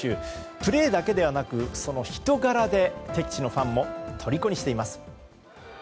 プレーだけではなくその人柄で敵地のファンも虜にしています。